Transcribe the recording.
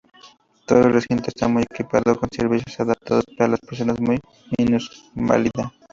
Todo el recinto está equipado con servicios adaptados para las personas con minusvalía.